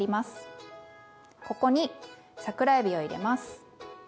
ここに桜えびを入れます。